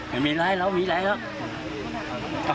ไม่มีไรแล้วมีอะไรแล้ว